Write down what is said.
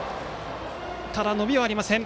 ただ、伸びはありません。